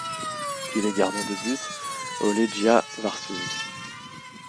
Il est gardien de but au Legia Varsovie.